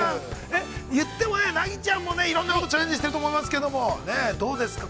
えっ、言ってもね、ナギちゃんもね、いろんなことにチャレンジしていると思いますけど、どうですか。